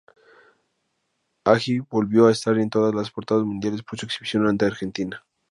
Hagi volvió a estar en todas las portadas mundiales por su exhibición ante Argentina.